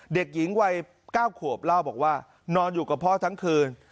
เด็กหญิงวัย๙ขวบเล่าบอกว่านอนอยู่กับพ่อทั้งคืน